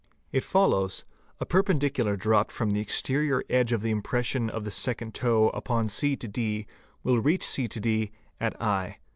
It follows, a perpendicular dropped from the exterior edge of the — impression of the second toe upon ¢ d will reach c d at 7.